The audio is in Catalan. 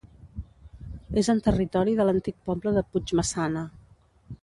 És en territori de l'antic poble de Puigmaçana.